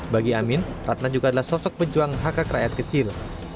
bagi amin ratna juga adalah sosok pejuang hak hak rakyat kecil